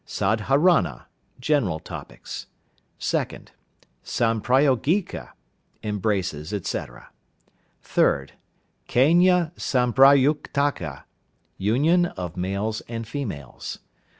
Sadharana (general topics). 2nd. Samprayogika (embraces, etc.). 3rd. Kanya Samprayuktaka (union of males and females).